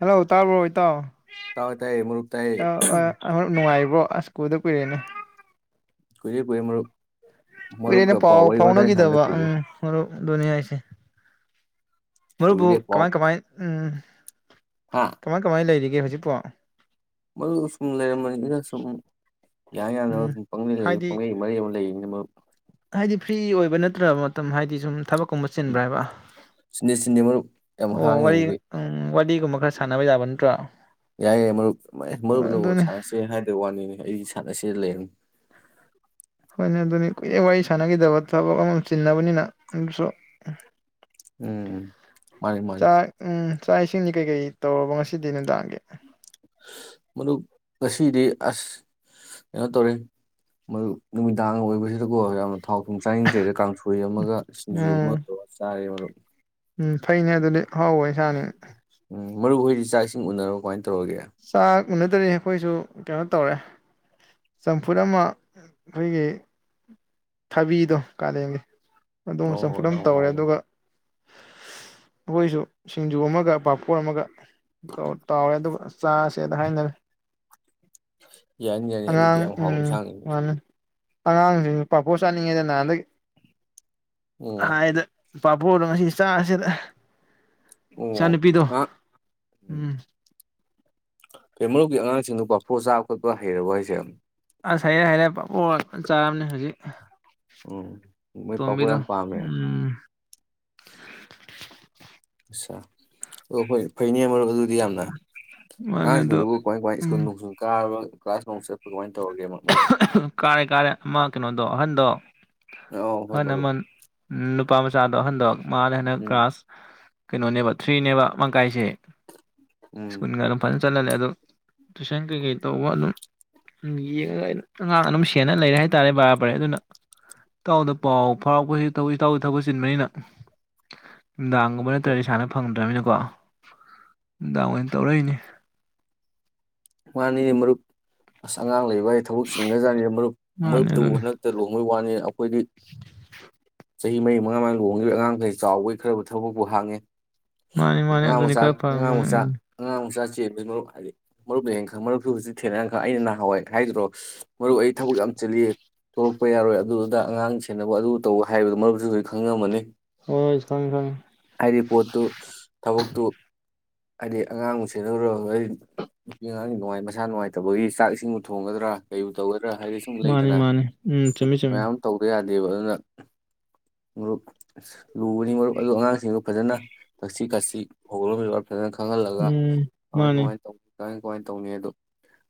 ꯍꯜꯂꫭ ꯇꯥꯕ꯭ꯔꯣ꯫ ꯀꯠꯇ ꯇꯋ ꯇꯥꯏꯌꯦ ꯃꯔꯛ ꯇꯥꯏ ꯑꯣꯣ ꯑꯁ ꯀꯨꯜꯗ ꯀꯨꯏꯔꯦꯅꯦ ꯀ ꯄꯔꯦ ꯃ ꯎꯩꯅ ꯄꯥꯎ ꯐꯥꯎꯅꯒꯗꯕ ꯀꯨꯏꯔꯦ ꯎꯝ ꯗꯣꯅꯤ ꯍꯥꯏꯁꯦ ꯃꯔꯨꯞꯕꯨ ꯀꯨꯏꯔꯦ ꯄꯥꯎ ꯀꯃꯥꯏ ꯀꯃꯥꯏ ꯎꯝ ꯍꯥ ꯀꯃꯥꯏ ꯀꯃꯥꯏ ꯂꯩꯔꯤ ꯍꯧꯖꯤꯛ ꯄꯣ ꯃꯗꯨ ꯁꯨꯝ ꯂꯩꯔꯝꯃꯅꯤꯅ ꯁꯨꯝ ꯌꯥ ꯌꯥꯅꯕ ꯎꯝ ꯑꯗꯨꯝ ꯄꯪꯒꯩ ꯂꯩ ꯍꯥꯏꯗꯤ ꯄꯪꯒꯩ ꯃꯔꯤ ꯑꯃ ꯂꯩꯅ ꯍꯥꯏꯗꯤ ꯐ꯭ꯔꯤ ꯑꯣꯏꯕ ꯅꯠꯇ꯭ꯔꯕ ꯃꯇꯝ ꯍꯥꯏꯗꯤ ꯁꯨꯝ ꯊꯕꯛ ꯀꯨꯝꯕ ꯆꯤꯟꯕ꯭ꯔꯥ ꯍꯥꯏꯕ ꯁꯤꯅꯦ ꯁꯤꯅꯦ ꯃꯔꯨꯞ ꯌꯥꯝ ꯑꯣ ꯋꯥꯔꯤ ꯍꯥꯡꯉꯤꯗꯨꯗꯤ ꯎ ꯋꯥꯔꯤꯒꯨꯝꯕ ꯈ ꯈꯔ ꯁꯥꯟꯅꯕ ꯌꯥꯕ ꯅꯠꯇꯣ ꯌꯥꯏ ꯌꯥꯏ ꯃꯔꯨꯞ ꯃꯔꯨꯞꯅ ꯑꯃꯨ ꯁꯥꯟꯅꯁꯦ ꯍꯥꯏꯗꯕ ꯋꯥꯅꯤꯅꯦ ꯑꯩꯗꯤ ꯁꯥꯟꯅꯁꯦꯗ ꯂꯩꯔꯔꯕꯅꯤ ꯍꯣꯏꯅꯦ ꯑꯗꯨꯅꯤ ꯀꯨꯏꯩ ꯋꯥꯔꯤ ꯁꯥꯟꯅꯈꯤꯗꯕ ꯊꯕꯛ ꯑꯃꯝ ꯆꯤꯟꯅꯕꯅꯤꯅ ꯑꯗꯨꯁꯨ ꯎꯝ ꯃꯥꯅꯤ ꯃꯥꯅꯤ ꯆꯥꯛ ꯎꯝ ꯆꯥꯛ ꯏꯁꯤꯡꯗꯤ ꯀꯩꯀꯩ ꯇꯧꯔꯕ ꯉꯁꯤꯗꯤ ꯅꯨꯡꯗꯥꯡꯒꯤ ꯃꯗꯨ ꯉꯁꯤꯗꯤ ꯑꯁ ꯀꯩꯅꯣ ꯇꯧꯔꯦ ꯃꯗꯨ ꯅꯨꯃꯤꯗꯥꯡ ꯑꯣꯏꯕꯁꯤꯗꯀꯣ ꯌꯥꯝ ꯊꯥꯎ ꯊꯨꯝ ꯆꯥꯅꯤꯡꯗ꯭ꯔꯦꯗ ꯀꯥꯡꯊꯣꯏ ꯑꯃꯒ ꯁꯤꯡꯖꯨ ꯑꯃꯒ ꯎꯝ ꯇꯧꯔꯒ ꯆꯥꯔꯦ ꯃ ꯎꯝ ꯐꯩꯅꯦ ꯑꯗꯨꯗꯤ ꯍꯥꯎꯋ ꯏꯁꯥꯅꯤ ꯎꯝ ꯃꯔꯨ ꯍꯣꯏꯗꯤ ꯆꯥꯛꯁꯤꯡ ꯎꯅꯔꯣ ꯀꯃꯥꯏꯅ ꯠꯇꯣꯒ ꯎꯅꯗ꯭ꯔꯔꯤ ꯑꯩꯈꯣꯏꯁꯨ ꯀꯩꯅꯣ ꯇꯧꯔꯦ ꯆꯝꯐꯨꯠ ꯑꯃ ꯑꯩꯈꯣꯏꯒꯤ ꯊꯕꯤꯗꯣ ꯀꯥꯂꯦꯟꯒꯤ ꯑꯗꯨꯝ ꯑꯣ ꯍꯣꯏ ꯆꯝꯐꯠꯂꯝ ꯌꯥꯝ ꯇꯧꯔꯦ ꯍꯥꯎꯕꯅꯤ ꯑꯗꯨꯒ ꯑꯩꯈꯣꯏꯁꯨ ꯁꯤꯡꯖꯨ ꯑꯃꯒ ꯄꯥꯄꯣ ꯑꯃꯒ ꯇꯥꯎꯔꯦ ꯆꯥꯁꯦꯗ ꯍꯥꯏꯅꯅ ꯌꯥꯅꯤ ꯌꯥꯅꯤ ꯑꯗꯨꯗꯤ ꯌꯥꯝ ꯍꯥꯎꯋꯤ ꯎꯝ ꯁꯥꯡꯉꯅꯦ ꯃꯥꯅꯤ ꯑꯉꯥꯡꯁꯤꯡ ꯄꯥꯄꯣꯠ ꯆꯥꯅꯤꯡꯉꯤꯗꯅ ꯍꯟꯗꯛ ꯎꯝ ꯍꯗ ꯄꯥꯕꯣꯗꯣ ꯉꯁꯤ ꯆꯥꯁꯤꯗ ꯑꯣ ꯏꯅꯨꯄꯤꯗꯣ ꯑꯉꯥꯡ ꯎꯝ ꯐꯩ ꯃꯔꯨꯞꯀꯤ ꯑꯉꯥꯡꯁꯤꯡꯗꯨ ꯀꯐꯨ ꯆꯥꯕ ꯈꯣꯠꯄ ꯍꯩꯔꯕ ꯍꯥꯏꯁꯦ ꯑꯁ ꯍꯥꯏꯩꯔꯦ ꯍꯥꯏꯩꯔꯦ ꯆꯥꯔꯝꯅꯤ ꯍꯧꯖꯤꯛ ꯎꯝ ꯃꯣꯏ ꯄꯥꯐꯣꯔ ꯇꯣꯕꯤꯗꯣ ꯌꯥꯝ ꯄꯥꯝꯃꯦ ꯎꯝ [unintelligible] ꯆꯥ ꯑꯣ ꯐꯩꯅꯦ ꯃꯔꯨꯞ ꯑꯗꯨꯗꯤ ꯌꯥꯝꯅ ꯃꯥꯅꯦ ꯑꯗꯣ ꯑꯉꯥꯡꯁꯤꯡꯗꯨꯕꯨ ꯀꯃꯥꯏ ꯀꯃꯥꯏ ꯎꯝ ꯁ꯭ꯀꯨꯜ ꯅꯨꯡꯁꯨꯜ ꯀꯥꯔꯕ ꯀ꯭ꯂꯥꯁ ꯅꯣꯡ ꯆꯠꯄ ꯀꯃꯥꯏ ꯇꯧꯔꯒꯦꯕ ꯀꯥꯔꯦ ꯀꯥꯔꯦ ꯑꯃ ꯀꯩꯅꯣ ꯗꯣ ꯑꯍꯟꯗꯣ ꯑꯧ ꯍꯣꯏ ꯑꯍꯟ ꯑꯃ ꯃꯔꯨꯞ ꯅꯨꯞ ꯅꯨꯄꯥ ꯃꯆꯥꯗꯣ ꯑꯍꯟꯗꯣ ꯃꯥꯗꯤ ꯍꯟꯗꯛ ꯎꯝ ꯄꯂꯥ꯭ꯁ ꯀꯩꯅꯣꯅꯦꯕ ꯊ꯭ꯔꯤꯅꯦꯕ ꯃꯥꯟꯀꯥꯏꯁꯦ ꯎꯝ ꯁꯀꯨꯜꯒ ꯗꯨ ꯐꯖꯟ ꯆꯠꯂꯜꯂꯦ ꯑꯗꯣ ꯇꯨꯏꯁꯟ ꯀꯩꯀꯩ ꯇꯧꯕ ꯑꯗꯨꯝ ꯌꯦꯡꯉꯒ ꯑꯩꯅ ꯆꯠ ꯑꯉꯥꯡ ꯑꯗꯨꯝ ꯁꯦꯟꯅ ꯂꯩꯔꯦ ꯍꯥꯏꯇꯥꯔꯦ ꯕꯔꯥ ꯕꯔꯦ ꯑꯗꯨꯅ ꯏꯇꯥꯎꯗ ꯄꯥꯎ ꯐꯥꯎꯔꯛꯄꯁꯤ ꯇꯧꯏ ꯏꯇꯥꯎ ꯊꯕꯛ ꯆꯤꯟꯕꯅꯤꯅ ꯅꯨꯡꯗꯥꯡꯒꯨꯝꯕ ꯍꯣꯏ ꯅꯠꯇ꯭ꯔꯗꯤ ꯁꯥꯟꯅ ꯐꯪꯗ꯭ꯔꯃꯤꯅ ꯕ ꯅꯨꯡꯗꯥꯡ ꯑꯣꯏꯅ ꯇꯧꯔꯛꯏꯅꯦ ꯃꯅꯤꯅꯦ ꯃꯔꯨꯞ ꯑꯁ ꯑꯉꯥꯡ ꯂꯩ ꯚꯥꯏ ꯊꯕꯛ ꯆꯤꯟꯒ꯭ꯔꯖꯥꯠꯅꯤ ꯃꯔꯨꯞ ꯃꯥꯅꯤ ꯃꯔꯨꯞꯇꯕꯨ ꯑꯗꯨꯅꯤ ꯍꯟꯗꯛꯇ ꯂꯨꯍꯣꯡꯕꯩ ꯋꯥꯅꯤ ꯑꯩꯈꯣꯏꯗꯤ [unintelligible] ꯆꯍꯤ ꯃꯔꯤ ꯃꯉꯥ ꯃꯉꯥ ꯂꯨꯣꯡꯈꯤꯕ ꯑꯉꯥꯡꯈꯩ ꯆꯥꯎꯕꯒꯤ ꯈꯔ ꯊꯕꯛꯄꯨ ꯍꯥꯡꯉꯦ ꯃꯥꯅꯤ ꯃꯥꯅꯤ ꯑꯉꯥꯡ ꯑꯗꯨꯅꯤ ꯃꯆꯥ ꯈꯔ ꯑꯉꯥꯡ ꯄꯥꯝꯕꯅꯤ ꯃꯆꯥ ꯎꯝ ꯑꯉꯥꯡ ꯃꯆꯥ ꯃꯔꯨꯞ ꯍꯥꯏꯔꯤ ꯃꯔꯨꯞꯅ ꯍꯦꯟ ꯈꯪ ꯃꯔꯨꯞꯁꯨ ꯍꯧꯖꯤꯛ ꯊꯦꯡꯅꯒ ꯈꯪꯅꯤ ꯑꯩꯅ ꯅꯍꯥꯟꯋꯥꯏ ꯍꯥꯏꯒꯤꯗ꯭ꯔꯣ ꯃꯔꯨꯞ ꯑꯩ ꯊꯕꯛ ꯌꯥꯝ ꯆꯤꯟꯂꯤ ꯊꯣꯛꯂꯛꯄ ꯌꯥꯔꯣꯏ ꯑꯗꯨ ꯑꯗꯥ ꯑꯉꯥꯡ ꯁꯦꯟꯅꯕ ꯑꯗꯨ ꯇꯧꯕ ꯍꯥꯏꯕꯗꯣ ꯃꯔꯨꯞꯁꯨ ꯍꯧꯖꯤꯛ ꯈꯪꯉꯝꯃꯅꯤ ꯍꯣꯏ ꯈꯪꯉꯤ ꯈꯪꯉꯤ ꯍꯥꯏꯔꯤ ꯄꯣꯠꯇꯨ ꯊꯕꯛꯇꯨ ꯍꯥꯏꯗꯤ ꯑꯉꯥꯡꯕꯨ ꯁꯦꯟꯅꯗꯧꯔ ꯅꯨꯄꯤ ꯑꯉꯥꯡꯒꯤ ꯅꯨꯡꯉꯥꯏꯃꯁꯥ ꯅꯨꯡꯉꯥꯏꯇꯕꯒꯤ ꯆꯥꯛ ꯏꯁꯤꯡꯕꯨ ꯊꯣꯡꯒꯗ꯭ꯔꯥ ꯀꯩꯕꯨ ꯇꯧꯒꯗ꯭ꯔꯥ ꯍꯥꯏꯗꯤ ꯁꯨꯝ ꯃꯥꯅꯤ ꯂꯩꯗꯅ ꯃꯥꯅꯤ ꯎꯝ ꯆꯨꯝꯃꯤ ꯆꯨꯝꯃꯤ ꯃꯌꯥꯝ ꯑꯃ ꯇꯧꯗ ꯌꯥꯗꯦ ꯗꯦꯕ ꯑꯗꯨꯅ ꯃꯔꯨꯞ ꯂꯨꯕꯅꯤ ꯃꯔꯨꯞ ꯑꯗꯨ ꯑꯉꯥꯡꯁꯤꯡꯗꯨ ꯐꯖꯅ ꯊꯛꯁꯤ ꯈꯥꯁꯤ ꯍꯧꯔꯒꯅ ꯐꯖꯅ ꯈꯪꯍꯜꯂꯒ ꯎꯝ ꯀꯃꯥꯏ ꯃꯥꯅꯤ ꯀꯃꯥꯏꯅ ꯇꯧ ꯀꯃꯥꯏ ꯀꯃꯥꯏꯅ ꯇꯧꯅꯤ ꯑꯗꯨ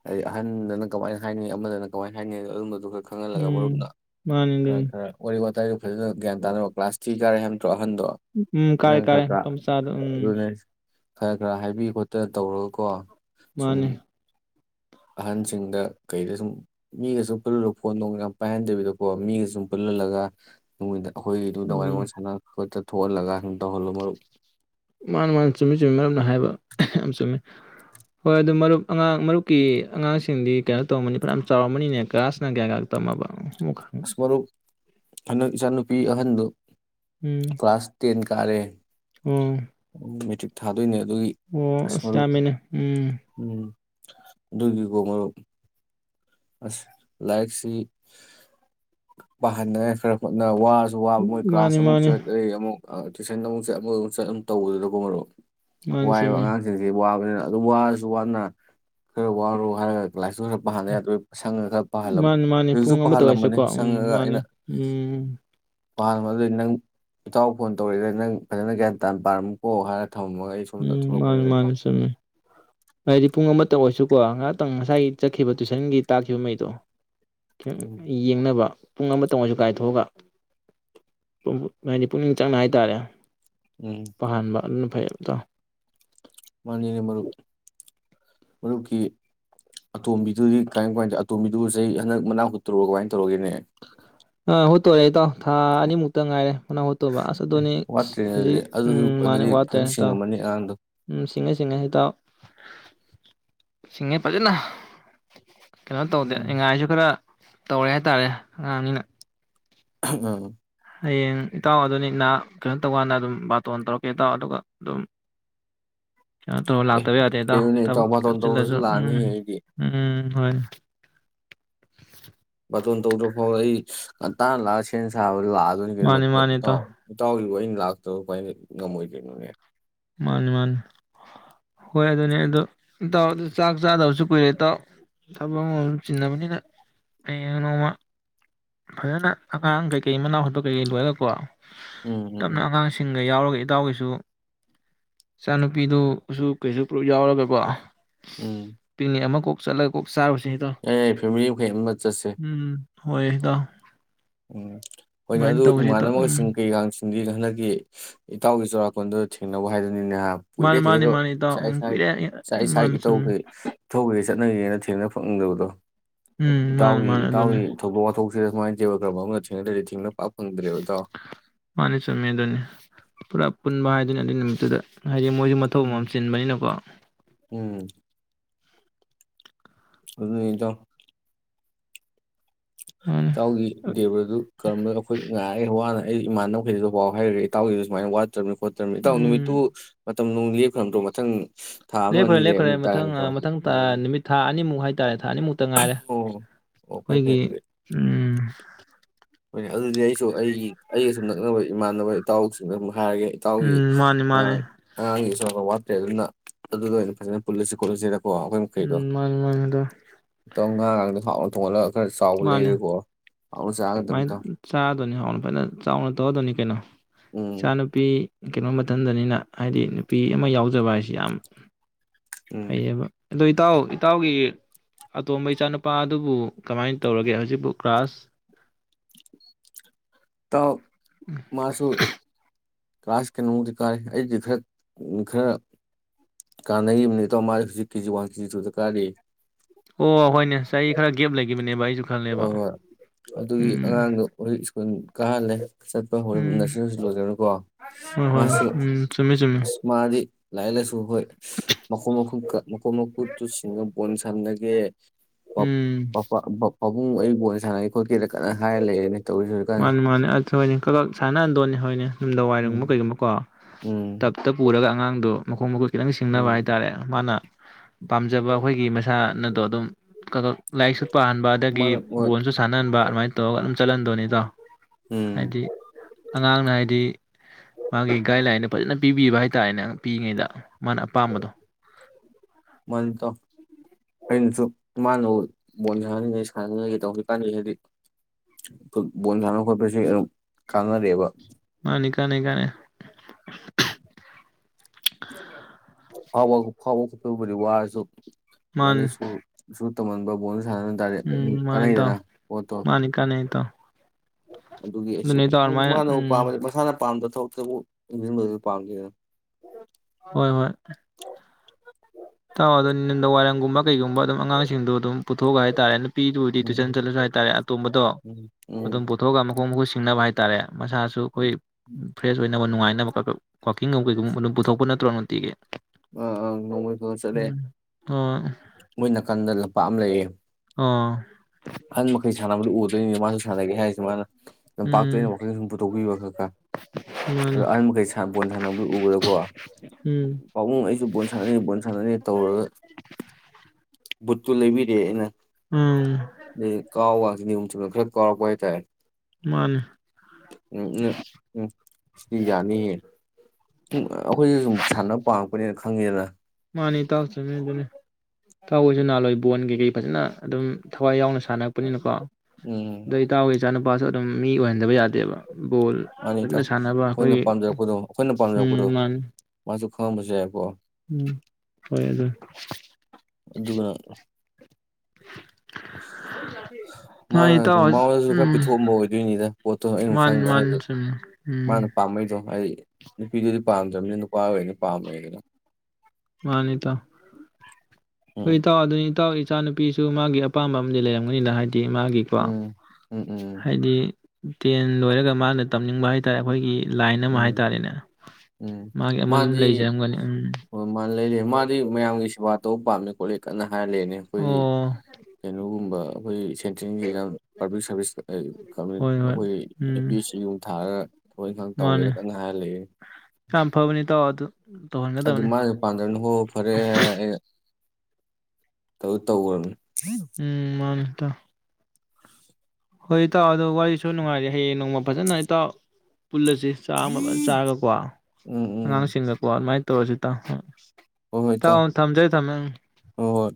ꯍꯥꯏꯗꯤ ꯑꯍꯟꯗꯅ ꯀꯃꯥꯏꯅ ꯍꯥꯏꯅꯤ ꯑꯃꯗꯅ ꯀꯃꯥꯏꯅ ꯍꯥꯏꯅꯤꯗ ꯑꯗꯨꯝꯕꯗꯨ ꯈꯛ ꯈꯪꯍꯜꯂꯒ ꯃꯔꯨꯞꯅ ꯎꯝ ꯃꯥꯅꯤ ꯈꯔ ꯑꯗꯨꯅꯤ ꯈꯔ ꯋꯥꯔꯤ ꯋꯥ ꯇꯥꯌꯦ ꯐꯖꯅ ꯒꯌꯦꯟ ꯇꯅꯕ ꯀ꯭ꯂꯥꯁ ꯊ꯭ꯔꯤ ꯀꯔꯦ ꯍꯥꯏꯕ ꯅꯠꯇ꯭ꯔꯣ ꯑꯍꯟꯗꯣ ꯎꯝ ꯀꯥꯔꯦ ꯅꯪ ꯀꯥꯔꯦ ꯈꯔ ꯈꯔ ꯅꯨꯄꯥꯃꯆꯥꯗꯣ ꯎꯝ ꯑꯗꯨꯅꯦ ꯈꯔ ꯈꯔ ꯍꯥꯏꯕꯤ ꯈꯣꯠꯇꯅ ꯇꯧꯔꯒ ꯀꯣ ꯃꯥꯅꯦ ꯑꯍꯟꯁꯤꯡꯗ ꯀꯩꯗ ꯁꯨꯝ ꯃꯤꯒꯁꯨꯨꯝ ꯄꯨꯜꯂꯒ ꯐꯣꯟ ꯅꯨꯡ ꯌꯥꯝ ꯄꯥꯏꯍꯟꯗꯕꯤꯗꯀꯣ ꯃꯤꯒ ꯁꯨꯝ ꯄꯨꯜꯍꯜꯂꯒ ꯃꯣꯏꯗ ꯑꯩꯈꯣꯏꯒꯤꯗꯨ ꯎꯝ ꯅꯍꯥꯋꯥꯏ ꯁꯥꯟꯅ ꯈꯔ ꯆꯠ ꯊꯣꯛꯍꯜꯂꯒ ꯇꯧꯍꯜꯂꯨ ꯃꯔꯨꯞ ꯃꯥꯅ ꯃꯥꯅ ꯆꯨꯝꯃꯤ ꯆꯨꯝꯃꯤ ꯃꯔꯨꯞꯅ ꯍꯥꯏꯕ ꯌꯥꯝ ꯆꯨꯝꯃꯤ ꯍꯣꯏ ꯑꯗꯨ ꯃꯔꯨꯞ ꯑꯉꯥꯡ ꯃꯔꯨꯞꯀꯤ ꯑꯉꯥꯡꯁꯤꯡꯗꯤ ꯀꯩꯅꯣ ꯇꯧꯃꯅꯤ ꯐꯅꯌꯥꯝ ꯆꯥꯎꯔꯝꯃꯅꯤꯅꯦ ꯀ꯭ꯂꯥꯁꯅ ꯀꯌꯥ ꯀꯥꯌꯥ ꯇꯝꯃꯕ ꯃꯨ ꯈ ꯑꯁ ꯃꯔꯨꯞ ꯍꯟꯗꯛ ꯏꯆꯥꯅꯨꯄꯤ ꯑꯍꯟꯗꯨ ꯎꯝ ꯀ꯭ꯂꯥꯁ ꯇꯦꯟ ꯇꯥꯔꯦ ꯑꯣ ꯊꯥꯗꯣꯏꯅꯦ ꯑꯗꯨꯒꯤ ꯑꯣ ꯑꯁ ꯌꯥꯝꯃꯦꯅꯦ ꯎꯝ ꯔꯒꯤꯒꯣꯃꯔꯣ ꯑꯁ ꯂꯥꯏꯔꯤꯛꯁꯤ ꯄꯥꯍꯟꯅꯉꯦ ꯈꯔ ꯍꯣꯠꯅ ꯋꯥ ꯋꯥꯕ ꯃꯣꯏ ꯃꯥꯅꯤ ꯀ꯭ꯂꯥꯁꯨꯛ ꯃꯥꯅꯤ ꯆꯠꯂ ꯑꯃꯨꯛ ꯇꯨꯏꯁꯟ ꯑꯃꯨꯛ ꯆꯠ ꯑꯃꯨꯛꯨ ꯆꯠꯂꯨ ꯇꯧꯕꯗꯨꯗꯀꯣ ꯃꯔꯣ ꯃꯥꯅꯤ ꯋꯥꯕ ꯆꯨꯝꯃꯤ ꯑꯉꯥꯡꯁꯤꯡꯁꯤ ꯋꯥꯕ ꯅ ꯑꯗꯨ ꯋꯥꯔꯁꯨ ꯋꯥꯅ ꯈꯔ ꯋꯥꯔꯣ ꯍꯥꯏꯔꯒ ꯂꯥꯏꯁꯦꯟꯁ ꯍꯥꯞꯄ ꯍꯅ ꯑꯗꯨ ꯁꯪꯉ ꯈꯔ ꯄꯥꯍꯜꯂꯝꯃꯤ ꯃꯥꯅꯤ ꯃꯥꯅꯤ ꯍꯧꯖꯤꯛꯁꯨ ꯄꯨꯡ ꯑꯃꯇ ꯄꯥꯍꯜꯂꯝꯕꯅꯤ ꯑꯣꯏꯔꯁꯨꯀꯣ ꯎꯝ ꯁꯪꯉꯒ ꯃꯥꯅꯤ ꯑꯩꯅ ꯎꯝ ꯄꯥꯍꯜꯂꯝꯕ ꯑꯗꯨꯩ ꯅꯪ ꯏꯇꯥꯎ ꯐꯣꯟ ꯇꯧꯔꯛꯏꯗ ꯅꯪ ꯐꯖꯅ ꯒ꯭ꯌꯥꯟ ꯇꯥꯔꯝꯨꯀꯣ ꯍꯥꯏꯔ ꯊꯝꯃꯒ ꯑꯩ ꯁꯣꯝꯗ ꯎꯝ ꯊꯣꯛꯂꯛꯄꯅꯤ ꯃꯥꯅꯤ ꯅꯠꯇ꯭ꯔꯣ ꯃꯥꯅꯤ ꯆꯨꯝꯃꯤ ꯍꯥꯏꯗꯤ ꯄꯨꯡ ꯑꯃ ꯉꯥꯛꯇꯪ ꯑꯣꯏꯁꯨꯀꯣ ꯉꯍꯥꯛꯇꯪ ꯉꯁꯥꯏꯒꯤ ꯆꯠꯈꯤꯕ ꯇꯨꯏꯁꯟꯒꯤ ꯇꯥꯈꯤꯕꯉꯩꯗꯣ ꯎꯝ ꯌꯦꯡꯅꯕ ꯄꯨꯡ ꯑꯃꯇꯪ ꯑꯣꯏꯁꯨ ꯀꯥꯏꯊꯣꯛꯑꯒ ꯍꯥꯏꯗꯤ ꯄꯨꯛꯅꯤꯡ ꯆꯪꯅ ꯍꯥꯏꯇꯥꯔꯦ ꯎꯝ ꯐꯥꯟꯕ ꯐꯩꯕꯗ ꯃꯥꯅꯦꯅꯦ ꯃꯔꯨꯞ ꯃꯔꯨꯞꯀꯤ ꯑꯇꯣꯝꯕꯤꯗꯨꯗꯤ ꯀꯥꯏꯝ ꯀꯃꯥꯏꯅ ꯇ ꯑꯇꯣꯝꯕꯤꯗꯨ ꯆꯍꯤ ꯍꯟꯗꯛ ꯃꯅꯥꯛ ꯍꯨ ꯇꯔꯨꯔ ꯀꯃꯥꯏꯅ ꯇꯧꯔꯒꯦꯅꯦ ꯑ ꯍ ꯇ ꯋꯥꯔꯦ ꯍꯥꯏꯥꯏꯇꯣ ꯊꯥ ꯑꯅꯤꯃꯨꯛꯇ ꯉꯥꯏꯔꯦ ꯃꯅꯥ ꯍꯣꯠꯇꯣꯕ ꯑꯁ ꯑꯗꯨꯅꯤ ꯑꯁ ꯋꯥꯠꯇ꯭ꯔꯦꯅꯦ ꯑꯗꯨꯗꯤ ꯍꯧꯖꯤꯛ ꯎ ꯑꯗꯨꯁꯨ ꯃꯥꯅꯦ ꯑꯗꯨꯗꯤ ꯋꯥꯠꯇ꯭ꯔꯦ ꯐꯖꯅ ꯏꯇꯥꯎ ꯁꯤꯡꯉꯝꯃꯅꯤ ꯑꯉꯥꯡꯗꯣ ꯎꯝ ꯁꯤꯡꯉꯦ ꯁꯤꯡꯉꯦ ꯁꯤꯇꯥꯎ ꯁꯤꯉꯦ ꯄꯖꯦꯅ ꯀꯩꯅꯣ ꯇꯧꯗꯦ ꯎꯝ ꯏ ꯉꯥꯏꯁꯨ ꯈꯔ ꯇꯧꯔꯦ ꯍꯥꯏꯇꯥꯔꯦ ꯑꯉꯥꯡꯅꯤꯅ ꯎꯝ ꯍꯌꯦꯡ ꯏꯇꯥꯎ ꯑꯗꯨꯅꯤ ꯅ ꯀꯩꯅꯣ ꯇꯧꯀꯥꯟꯗ ꯑꯗꯨꯝ ꯕꯥꯇꯣꯟ ꯇꯧꯔꯛꯀꯦ ꯏꯇꯥꯎ ꯑꯗꯨꯒ ꯑꯗꯨꯝ ꯀꯩꯅꯣ ꯇꯧꯔ ꯑꯦ ꯂꯥꯛꯇꯕ ꯌꯥꯗꯦ ꯏꯇꯥꯎ ꯀꯩꯅꯣꯅꯦ ꯊꯕꯛ ꯕꯥꯇꯣꯟ ꯇꯧꯗ꯭ꯔꯁꯨ ꯆꯤꯟꯂꯁꯨ ꯎꯝ ꯂꯥꯛꯑꯅꯤꯌꯦ ꯑꯩꯗꯤ ꯎꯝ ꯍꯣꯏ ꯕꯥꯇꯣꯟ ꯇꯧꯗ꯭ꯔ ꯐꯥꯎ ꯑꯩ ꯉꯟꯇꯅ ꯂꯥꯛꯑ ꯁꯦꯝ ꯁꯥꯕ ꯂꯥꯛꯑꯗꯧꯅꯤ ꯀꯩꯅꯣ ꯃꯥꯅꯤ ꯃꯥꯅꯤ ꯏꯇꯥꯎ ꯃꯇꯥꯎ ꯃꯇꯥꯎ ꯒꯤꯕꯨ ꯑꯩꯅ ꯂꯥꯛꯇꯕ ꯀꯃꯥꯏꯅ ꯉꯝꯃꯣꯏꯀꯩꯅꯣꯅꯦ ꯃꯥꯅꯤ ꯃꯥꯅꯤ ꯍꯣꯏ ꯑꯗꯨꯅꯦ ꯑꯗꯨ ꯏꯇꯥꯎ ꯑꯗꯨ ꯆꯥꯛ ꯆꯥꯗꯕꯁꯨ ꯀꯨꯏꯔꯦ ꯏꯇꯥꯎ ꯊꯕꯛ ꯑꯃ ꯑꯗꯨꯝ ꯆꯤꯟꯅꯕꯅꯤꯅ ꯍꯌꯦꯡ ꯅꯣꯡꯃ ꯐꯖꯅ ꯑꯉꯥꯡ ꯀꯩꯀꯩ ꯃꯅꯥ ꯍꯨꯠꯄ ꯀꯩꯀꯩ ꯂꯣꯏꯔꯀꯣ ꯎꯝ ꯎꯝ ꯇꯞꯅ ꯎꯝ ꯑꯉꯥꯡꯁꯤꯡ ꯒ ꯌꯥꯎꯔꯒ ꯏꯇꯥꯎꯒꯤꯁꯨ ꯏꯆꯥꯅꯨꯄꯤꯗꯨꯁꯨ ꯀꯩꯁꯨ ꯄꯨꯂꯞ ꯌꯥꯎꯔꯒꯀꯣ ꯎꯝ ꯄꯤꯅꯤꯛ ꯑꯃ ꯀꯣꯛ ꯆꯠꯂꯒ ꯀꯣꯛ ꯆꯥꯔꯨꯁꯤ ꯏꯇꯥꯎ ꯌꯥꯏ ꯐꯦꯃꯤꯂꯤ ꯃꯈꯩ ꯑꯃ ꯆꯠꯁꯦ ꯎꯝ ꯍꯣꯏ ꯏꯇꯥꯎ ꯎꯝ ꯍꯣꯏꯅꯦ ꯑꯗꯨꯃꯥꯏꯅ ꯑꯗꯨ ꯇꯧꯁꯤ ꯏꯇꯥꯎ ꯎꯝ ꯏꯃꯥꯟꯅꯕꯒꯁꯤꯡ ꯀꯩꯀ ꯍꯟꯗꯛꯀꯤ ꯏꯇꯥꯎꯒꯤ ꯆꯨꯔꯥꯛꯀꯣꯟꯗ ꯊꯦꯡꯅꯕ ꯍꯥꯏꯗꯨꯅꯤ ꯀꯨꯏꯔꯦ ꯃꯥꯅꯤ ꯃꯥꯅꯤ ꯊꯦꯡꯅꯗ ꯃꯥꯅꯤ ꯏꯁꯥ ꯏꯇꯥꯎ ꯎꯝ ꯏꯁꯥ ꯀꯨꯏꯔꯦ ꯏꯁꯥ ꯏꯁꯥꯒꯤ ꯃꯥꯅꯤ ꯏꯊꯧ ꯆꯨꯝꯃꯤ ꯈꯩ ꯆꯠꯅꯒꯤꯒꯥꯟꯗ ꯊꯦꯡꯅ ꯐꯪꯗꯕꯗꯣ ꯎꯝ ꯃꯥꯅꯤ ꯏꯇꯥꯎꯒꯤ ꯃꯥꯅꯤ ꯑꯗꯨꯅꯤ ꯏꯇꯥꯎꯒꯤ ꯊꯧꯗꯣꯛ ꯋꯥꯊꯣꯛ [unintelligible] [unintelligible] ꯊꯦꯡꯅꯗꯤ ꯊꯦꯡꯅꯧ ꯃꯥꯅꯤ ꯆꯨꯃꯦ ꯑꯗꯨꯅꯤ ꯄꯨꯔꯥ ꯄꯨꯟꯕ ꯍꯥꯏꯗꯨꯅꯤ ꯑꯗꯨꯏ ꯅꯨꯃꯤꯠꯇꯨꯗ ꯍꯥꯏꯗꯤ ꯃꯣꯏꯁꯨ ꯃꯊꯧ ꯑꯃꯝ ꯆꯤꯟꯕꯅꯤꯅꯀꯣ ꯎꯝ ꯑꯗꯨꯅꯤ ꯏꯇꯥꯎ ꯃꯥꯅꯤ ꯏꯇꯥꯎꯒꯤ ꯗꯦꯕꯔꯗꯨ ꯀꯔꯃꯗꯨ ꯑꯩꯈꯣꯏ ꯉꯥꯏ ꯋꯥꯅ ꯑꯩ ꯏꯃꯥꯟꯅꯕꯈꯩꯗꯁꯨꯥꯎ ꯍꯥꯏꯔꯈꯦ ꯏꯥꯎꯒꯤꯁꯨ ꯁꯨꯃꯥꯏꯅ ꯋꯥꯠ ꯆꯪꯗꯅ ꯈꯣꯠꯇꯅ ꯏꯇꯥꯎ ꯎꯝ ꯅꯨꯃꯤꯠꯇꯨ ꯃꯇꯝ ꯅꯨꯡ ꯂꯦꯞꯈ꯭ꯔꯕ ꯅꯠꯇ꯭ꯔꯣ ꯃꯊꯪ ꯊꯥ ꯑꯃ ꯂꯦꯄ ꯑꯅꯤ ꯈ꯭ꯔꯦ ꯂꯦꯄ ꯈ꯭ꯔꯦ ꯂꯩꯔꯝꯗꯥꯏ ꯃꯊꯪ ꯅꯠꯇ꯭ꯔꯣ ꯃꯊꯪ ꯑꯣ ꯅꯨꯃꯤꯠ ꯊꯥ ꯑꯅꯤꯃꯨꯛ ꯍꯥꯏꯇꯥꯔꯦ ꯊꯥ ꯑꯅꯤꯃꯨꯛꯇ ꯉꯥꯏꯔꯦ ꯑꯣ ꯑꯣ ꯐꯩ ꯐꯩ ꯑꯩꯈꯣꯏꯒꯤ ꯎ ꯍꯣꯏ ꯑꯗꯨꯗꯤ ꯑꯩꯁꯨ ꯑꯩꯒꯤ ꯑꯩꯒ ꯁꯨꯝ ꯅꯛꯅꯕ ꯏꯃꯥꯟꯅꯕ ꯏꯇꯥꯎꯁꯤꯡꯅ ꯍꯥꯏꯔꯒꯦ ꯏꯇꯥꯎꯒꯤ ꯎꯝ ꯃꯥꯅꯤ ꯑꯉꯥꯡ ꯃꯥꯅꯤ ꯑꯉꯥꯡꯒꯤ ꯆꯨꯔꯀꯨꯔꯟ ꯋꯠ ꯑꯗꯨꯅ ꯑꯗꯨꯗ ꯑꯣꯏꯅ ꯐꯖꯅ ꯄꯨꯜꯂꯁꯤ ꯈꯣꯠꯂꯁꯤ ꯀꯣ ꯑꯩꯈꯣꯏ ꯃꯈꯩꯗꯣ ꯎꯝ ꯃꯥꯅꯤ ꯃꯥꯅꯤ ꯑꯗꯣ ꯑꯗꯣ ꯉꯥꯒꯗꯣ ꯍꯥꯎ ꯊꯣꯑꯂꯛ ꯈꯔ ꯆꯥꯎꯕ ꯂꯩꯔꯦꯀꯣꯅ ꯆꯥ ꯃꯥꯏ ꯆꯥ ꯆꯥꯎꯅ ꯇꯧꯔꯗꯅꯤ ꯀꯩꯅꯣ ꯎꯝ ꯆꯥꯅꯨꯄꯤ ꯀꯩꯅꯣ ꯃ ꯇꯝꯊꯟꯗꯅꯤꯅ ꯍꯥꯏꯗꯤ ꯅꯨꯄꯤ ꯑꯃ ꯌꯥꯎ ꯖꯕꯥꯥꯏꯁꯤ ꯌꯥꯝ ꯎꯝ ꯐꯌꯦꯕ ꯏꯇꯥꯎ ꯏꯇꯥꯎꯒꯤ ꯑꯇꯣꯝꯕ ꯏꯆꯥꯅꯨꯄꯥ ꯑꯗꯨꯕꯨ ꯀꯃꯥꯏꯅ ꯇꯧꯔꯒꯦ ꯍꯧꯖꯤꯛꯄꯨ ꯀ꯭ꯂꯥꯁ ꯇꯥꯎ ꯃꯥꯁꯨ ꯀꯂ꯭ꯥꯁ ꯀꯩꯅꯣ ꯃꯨꯛꯗꯤ ꯀꯥꯔꯦ ꯑꯩꯗꯤ ꯈꯔ ꯈꯔ ꯀꯥꯟꯅꯔꯤꯕꯅꯤ ꯇ ꯃꯥ ꯍꯧꯖꯤꯛ ꯀꯦꯖꯤ ꯋꯥꯟ ꯀꯦꯖꯤ ꯇꯨꯗ ꯀꯥꯔꯛꯑꯦ ꯑꯣ ꯍꯣꯏꯅꯦ ꯆꯍꯤ ꯈꯔ ꯒꯦꯞ ꯂꯩꯈꯤꯕꯅꯦ ꯑꯩꯁꯨ ꯍꯣꯏ ꯈꯜꯂꯦꯕ ꯍꯣꯏ ꯑꯗꯨꯒꯤ ꯎꯝ ꯑꯉꯥꯡꯗꯣ ꯍꯧꯖꯤꯛ ꯁ꯭ꯀꯨꯜ ꯀꯍ ꯂꯩ ꯆꯠꯄ ꯍꯧꯔꯤꯕ ꯅꯔꯁ ꯎꯝ ꯅꯁꯨ ꯂꯣꯏꯖꯕꯅꯤꯀꯣ ꯍꯣꯏ ꯍꯣꯏ ꯃꯥꯁꯨ ꯑ ꯎꯝ ꯆꯨꯝꯃꯤ ꯆꯨꯝꯃꯤ ꯃꯥꯗꯤ ꯂꯥꯏꯔꯤꯛ ꯂꯥꯏꯁꯨ ꯍꯣꯏ ꯃꯈꯣꯡ ꯃꯈꯨꯝ ꯃꯈꯣꯡ ꯃꯈꯀꯨ ꯇꯨꯟ ꯕꯣꯟ ꯁꯟꯅꯒꯦ ꯎꯝ ꯄꯥꯄꯥ ꯕꯥ ꯄꯥꯕꯨꯡ ꯑꯩ ꯕꯣꯟ ꯁꯥꯟꯅꯩ ꯈꯣꯠꯀꯦꯗ ꯀꯟꯅ ꯍꯥꯏꯔ ꯂꯩꯔꯦꯅꯦ ꯇꯧꯔꯤꯁꯤ ꯍꯧꯖꯤꯛꯀꯥꯟꯁꯦ ꯃꯥꯅꯤ ꯃꯥꯅꯦ ꯑꯗꯨ ꯍꯣꯏꯅꯦ ꯀꯂ ꯁꯥꯟꯅꯟꯗꯣꯅꯤ ꯍꯣꯏꯅꯦ ꯍꯣꯏꯅꯦ ꯌꯨꯝꯗꯥ ꯎꯝ ꯋꯥꯏꯔꯒꯨꯝꯕ ꯀꯩꯒꯨꯝꯕ ꯀꯣ ꯎꯝ ꯇꯞꯇ ꯄꯨꯔꯒ ꯑꯉꯥꯡꯗꯣ ꯃꯈꯣꯡ ꯃꯈꯨꯠ ꯈꯤꯇꯪ ꯁꯤꯡꯅꯕ ꯎꯝ ꯍꯥꯏꯇꯥꯔꯦ ꯃꯥꯅ ꯄꯥꯝꯖꯕ ꯑꯩꯈꯣꯏꯒꯤ ꯃꯁꯥꯟꯅꯗꯣ ꯑꯗꯨꯝ ꯂꯥꯏꯔꯤꯛꯁꯨ ꯄꯥꯍꯟꯕ ꯑꯗꯒꯤ ꯃꯥꯅ ꯍꯣꯏ ꯕꯣꯜꯁꯨ ꯁꯥꯟꯅꯍꯟꯕ ꯑꯗꯨꯃꯥꯏꯅ ꯇꯧꯔꯒ ꯑꯗꯨꯝ ꯆꯂꯟꯗꯣꯅꯦꯗ [inaudible] ꯎꯝ ꯍꯥꯏꯗꯤ ꯑꯉꯥꯡꯅ ꯍꯥꯏꯗꯤ ꯃꯥꯒꯤ ꯒꯥꯏꯗꯂꯥꯏꯟꯗ ꯐꯖꯅ ꯄꯤꯕꯤꯕ ꯍꯥꯏꯇꯥꯔꯦ ꯄꯤꯛꯏ ꯉꯩꯗ ꯃꯥꯅ ꯑꯄꯥꯝꯕꯗꯣ ꯃꯥꯅꯤ ꯏꯇꯥꯎ ꯑꯩꯅꯁꯨ ꯃꯥꯃꯅꯕꯨ ꯕꯣꯜ ꯁꯥꯟꯅꯅꯤꯡꯉꯤ ꯁꯥꯟꯅꯍꯟꯒꯦ ꯇꯧꯅꯦ ꯍꯧꯖꯤꯛꯀꯥꯟꯗꯤ ꯍꯥꯏꯗꯤ ꯐꯨ ꯕꯣꯜ ꯁꯥꯟꯅꯕ ꯈꯣꯠꯄꯁꯤ ꯑꯗꯨꯝ ꯀꯥꯟꯅꯔꯦꯕ ꯀꯅꯤ ꯀꯥꯟꯅꯩ ꯀꯥꯟꯅꯩ ꯐꯥꯎꯕꯕꯨ ꯐꯥꯎꯕ ꯀꯕꯨꯗꯤ ꯋꯥꯔꯁꯨ ꯃꯥꯅꯤ ꯂꯥꯏꯔꯤꯛ ꯂꯩꯁꯨ ꯕꯕꯣꯟ ꯎꯝ ꯃꯥꯟꯅꯤ ꯏꯇꯥꯎ ꯃꯥꯟꯅꯤ ꯀꯥꯟꯅꯩ ꯏꯇꯥꯎ ꯑꯗꯨꯒꯤ ꯏꯁꯨ ꯑꯗꯨꯅꯤ ꯏꯇꯥꯎ ꯑꯗꯨꯃꯥꯏꯅ ꯃꯥꯅꯕꯨ ꯎꯝ ꯄꯥꯝꯕ ꯃꯁꯥꯅ ꯄꯥꯝꯗ ꯇꯧꯇꯕꯨ [unintelligible] ꯄꯥꯡ ꯍꯣꯏ ꯍꯣꯏ ꯏꯇꯥꯎ ꯑꯗꯨ ꯅꯤꯡꯗꯥꯡꯋꯥꯏꯔꯝꯒꯨꯝꯕ ꯀꯩꯒꯨꯝꯕ ꯑꯗꯨꯝ ꯑꯉꯥꯡꯁꯤꯡꯗꯣ ꯑꯗꯨꯝ ꯄꯨꯊꯣꯛꯒ ꯍꯥꯏꯇꯥꯔꯦ ꯅꯨꯄꯤꯗꯨꯕꯨꯗꯤ ꯎꯝ ꯇꯨꯏꯁꯟ ꯆꯠꯂꯁꯨ ꯍꯥꯏꯇꯥꯔꯦ ꯑꯇꯣꯝꯕꯗꯣ ꯎꯝ ꯎꯝ ꯑꯗꯨꯝ ꯄꯨꯊꯣꯛꯑꯒ ꯃꯈꯣꯡ ꯃꯈꯨꯠ ꯁꯤꯡꯅꯕ ꯍꯥꯏꯇꯥꯔꯦ ꯃꯁꯥꯁꯨ ꯑꯩꯈꯣꯏ ꯐ꯭ꯔꯦꯁ ꯑꯣꯏꯅꯕ ꯅꯨꯡꯉꯥꯏ [unintelligible] ꯀꯤꯡꯒꯨꯝ ꯀꯩꯒꯨꯝ ꯑꯗꯨꯝ ꯄꯨꯊꯣꯛꯄ ꯅꯠꯇ꯭ꯔꯣ ꯊꯤꯒꯦ ꯑ ꯑ ꯅꯣꯡꯃꯣꯏ ꯗ ꯆꯠꯂꯦ ꯑꯣ ꯃꯣꯏ ꯅꯥꯀꯟꯗ ꯂꯄꯥꯛ ꯑꯃ ꯂꯩꯌꯦ ꯑꯥ ꯑꯍꯟ ꯃꯈꯩ ꯁꯥꯟꯅꯕꯗꯣ ꯎꯗ ꯗꯨꯏꯅꯦ ꯃꯥꯁꯨ ꯁꯥꯟꯅꯒꯦ ꯍꯥꯏꯁ ꯗꯨꯃꯥꯏꯅ ꯂꯝꯄꯥꯛꯥꯛꯇ ꯎꯝ ꯑꯩꯅ ꯋꯥꯀꯤꯡ ꯁꯨꯝ ꯄꯨꯊꯣꯛꯄꯤꯕ ꯈꯔ ꯈꯔ ꯃꯥꯅꯤ ꯑꯗꯣ ꯑꯍꯟ ꯃꯈꯩ ꯁꯥ ꯕꯣꯟ ꯁꯥꯟꯅꯕꯗꯨ ꯎꯕꯗꯀꯣ ꯎꯝ ꯄꯥꯕꯨꯡ ꯑꯩꯁꯨ ꯕꯣꯟ ꯁꯥꯟꯅꯅꯤ ꯕꯣꯟ ꯁꯥꯟꯅꯅꯤ ꯇꯧꯔꯒ ꯕꯨꯠꯇꯨ ꯂꯩꯕꯤꯔꯦ ꯑꯩꯅ ꯎꯝ ꯗꯤ ꯀꯥꯎꯋꯥꯖꯤ ꯅꯤꯌꯣꯝ ꯆꯨꯞꯅ ꯈꯔ ꯀꯥꯎꯋꯛꯄ ꯍꯥꯏ ꯇꯥꯔꯦ ꯃꯥꯅꯤ ꯎꯝ ꯑ ꯎꯝ ꯁꯤꯗꯤ ꯌꯥꯅꯤꯌꯦ ꯎꯝ ꯑꯩꯈꯣꯏꯖꯦ ꯁꯨꯝ ꯁꯥꯟꯅ ꯄꯥꯝꯃꯛꯄꯅꯤꯅ ꯈꯪꯉꯤꯅ ꯥꯇꯥꯎ ꯆꯨꯝꯃꯦ ꯑꯗꯨꯅꯦ ꯏꯇꯥꯎꯍꯣꯏꯁꯨ ꯅꯍꯥꯟꯋꯥꯏ ꯕꯣꯟ ꯀꯩꯀꯩ ꯐꯖꯅ ꯑꯗꯨꯝ ꯊꯋꯥꯏ ꯌꯥꯎꯅ ꯁꯥꯟꯅꯔꯛꯄꯅꯤꯅꯀꯣ ꯎꯝ ꯗꯩ ꯏꯇꯥꯎꯒꯤ ꯏꯆꯥꯅꯨꯞ ꯄꯥꯁꯨ ꯑꯗꯨꯝ ꯃꯤ ꯑꯣꯏꯍꯟꯗꯕ ꯌꯥꯗ ꯕꯣꯜ ꯃꯥꯅꯤ ꯐꯖꯅ ꯏꯇꯥꯎ ꯁꯥꯟꯅꯕ ꯑꯩꯈꯣꯏꯅ ꯑꯩꯈꯣꯏꯒꯤ ꯄꯥꯝꯖꯔꯛꯄꯗꯣ ꯑꯩꯈꯣꯏꯅ ꯎꯝ ꯄꯥꯝꯖꯔꯛꯄꯗꯣ ꯃꯥꯅꯤ ꯃꯥꯁꯨ ꯈꯪꯉꯝꯕꯁꯨ ꯌꯥꯏꯌꯦꯕꯀꯣ ꯎꯝ ꯍꯣꯏ ꯑꯗꯨꯅꯤ ꯑꯗꯨꯅ [unintelligible] ꯃꯥꯅꯤ ꯃꯥꯅ ꯏꯇꯥꯎ ꯃꯥꯎꯗꯁꯨ ꯈꯔ ꯎꯝ ꯄꯤꯊꯣꯛꯑꯝꯕ ꯑꯣꯏꯗꯣꯏꯅꯤꯗ ꯄꯣꯠꯇꯣ ꯑꯩꯅ ꯃꯥꯅꯤ ꯈꯪꯕ ꯃꯥꯅꯤ ꯍꯥꯏꯗꯤ ꯆꯨꯝꯃꯤ ꯎꯝ ꯃꯥꯅ ꯄꯥꯝꯕꯩꯗꯣ ꯍꯥꯏꯗꯤ ꯅꯨꯄꯤꯗꯨꯗꯤ ꯄꯥꯝꯗ꯭ꯔꯕꯅꯤ ꯅꯨꯄꯥ ꯑꯣꯏꯅ ꯄꯥꯝꯃꯦꯗꯅ ꯃꯥꯅꯤ ꯏꯇꯥꯎ ꯎꯝ ꯍꯣꯏ ꯏꯇꯥꯎ ꯑꯗꯨꯗꯤ ꯏꯇꯥꯎ ꯏꯆꯥ ꯅꯨꯨꯄꯤꯁꯨ ꯃꯥꯒꯤ ꯑꯄꯥꯝꯕ ꯑꯃꯗꯤ ꯂꯩꯔꯝꯒꯅꯤꯗ ꯍꯥꯏꯗꯤ ꯗꯤ ꯃꯥꯒꯤꯀꯣ ꯎꯝ ꯎꯝ ꯎꯝ ꯍꯥꯏꯗꯤ ꯇꯦꯟ ꯂꯣꯏꯔꯒ ꯃꯥꯅ ꯇꯝ ꯇꯝꯅꯤꯡꯕ ꯍꯥꯏꯇꯥꯔꯦ ꯑꯩꯈꯣꯏꯒꯤ ꯂꯥꯏꯟ ꯑꯃ ꯎꯝ ꯍꯥꯏꯇꯥꯔꯦꯅꯦ ꯎꯝ ꯃꯥꯒꯤ ꯑꯃ ꯑꯗꯨꯝ ꯂꯩꯖꯔꯝꯒꯅꯤ ꯎꯝ ꯂꯩꯔꯦ ꯃꯥꯗꯤ ꯃꯌꯥꯝꯒꯤ ꯁꯦꯕꯥ ꯇꯧꯕ ꯄꯥꯝꯃꯤ ꯈꯣꯠꯂꯦ ꯀꯟꯅꯥ ꯍꯥꯏ ꯂꯩꯅꯦ ꯑꯩꯈꯣꯏꯒꯤ ꯑꯣ ꯀꯩꯅꯣꯒꯨꯝꯕ ꯑꯩꯈꯣꯏꯒꯤ ꯁꯦꯟꯇ꯭ꯔꯦꯜꯒꯤ ꯄꯥꯕ꯭ꯂꯤꯛ ꯁꯥꯔꯚꯤꯁ ꯑꯩꯈꯣꯏ ꯍꯣꯏ ꯍꯣꯏ ꯑꯦ ꯎꯝ ꯄꯤ ꯑꯩꯆ ꯁꯤ ꯒꯨꯝꯕ ꯊꯥꯔꯒ ꯊꯕꯛ ꯏꯈꯥꯡ ꯃꯥꯅꯦ ꯇꯧꯒꯦꯅ ꯀꯟꯅ ꯍꯥꯏ ꯂꯩꯔꯦ ꯌꯥꯝ ꯐꯕꯅꯤ ꯏꯇꯥꯎ ꯑꯗꯨ ꯑꯗꯨ ꯇꯧꯍꯟꯒꯗꯕꯅꯤ ꯃꯥꯁꯨ ꯄꯥꯝꯕꯅꯤꯅ ꯍꯣ ꯐꯔꯦ ꯑꯩ ꯇꯧ ꯇꯧ ꯎꯝ ꯃꯥꯅꯤ [unintelligible] ꯍꯣꯏ ꯏꯇꯥꯎ ꯑꯗꯣ ꯋꯥꯔꯤꯁꯨ ꯅꯨꯡꯉꯥꯏꯔꯤ ꯍꯌꯦꯡ ꯅꯣꯡꯃ ꯐꯖꯅ ꯏꯇꯥꯎ ꯄꯨꯜꯂꯁꯤ ꯆꯥꯛ ꯑꯥꯃ ꯆꯥꯔꯒꯀꯣ ꯎꯝ ꯎꯝ ꯑꯉꯥꯡꯁꯤꯡꯒꯀꯣ ꯑꯗꯨꯃꯥꯏꯅ ꯇꯧꯔ꯭ꯁꯤ ꯏꯇꯥꯎ ꯍꯣꯏ ꯍꯣꯏ ꯏꯇꯥꯎ ꯊꯝꯖꯔꯦ ꯊꯝꯃꯦ ꯍꯣꯏ ꯍꯣꯏ